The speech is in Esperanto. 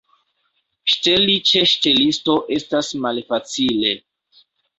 Ŝteli ĉe ŝtelisto estas malfacile.